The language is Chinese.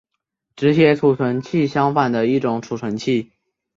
只写存储器相反的一种存储器。